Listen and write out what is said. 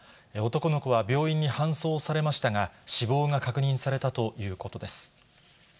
男の子は病院に搬送されましたが、死亡が確認されたということです。